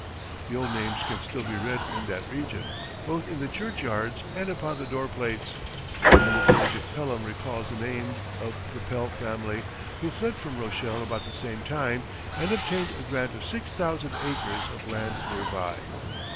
The old names can still be read in that region, both in the churchyards and upon the door plates, and the village of Pelham recalls the name of the Pell family who fled from Rochelle about the same time, and obtained a grant of six thousand acres of land near by.